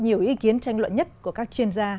nhiều ý kiến tranh luận nhất của các chuyên gia